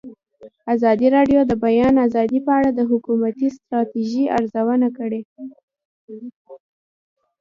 ازادي راډیو د د بیان آزادي په اړه د حکومتي ستراتیژۍ ارزونه کړې.